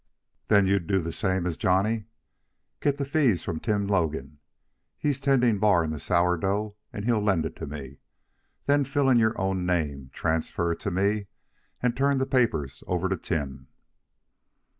"Then you do the same as Johnny. Get the fees from Tim Logan. He's tending bar in the Sourdough, and he'll lend it to me. Then fill in your own name, transfer to me, and turn the papers over to Tim."